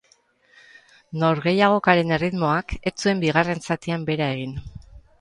Norgehiagokaren erritmoak ez zuen bigarren zatian behera egin.